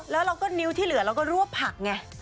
แล้วนิ้วที่เหลือเราก็รวบผัก